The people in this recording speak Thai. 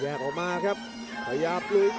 โอ้โหไม่พลาดกับธนาคมโด้แดงเขาสร้างแบบนี้